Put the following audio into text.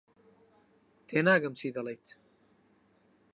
تێناگەم چی دەڵێیت.